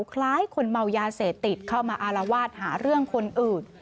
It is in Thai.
คล้ายคนเมายาเสพติดเข้ามาอารวาสหาเรื่องคนอื่น